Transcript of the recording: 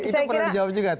itu pernah dijawab juga